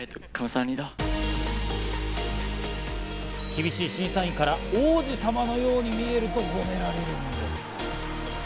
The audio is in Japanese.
厳しい審査員から王子様のように見えると褒められたんです。